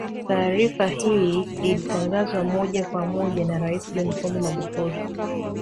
Taarifa hii ilitangazwa moja kwa moja na Rais John Pombe Magufuli